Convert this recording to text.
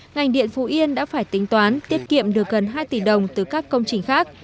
ngành điện phú yên đã phải tính toán tiết kiệm được gần hai tỷ đồng từ các công trình khác